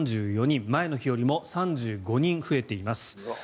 前の日よりも３５人増えています。